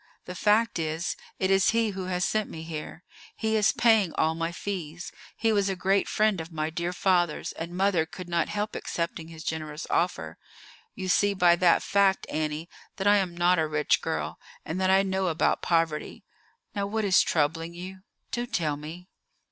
The fact is, it is he who has sent me here. He is paying all my fees. He was a great friend of my dear father's, and mother could not help accepting his generous offer. You see by that fact, Annie, that I am not a rich girl, and that I know about poverty. Now, what is troubling you? Do tell me."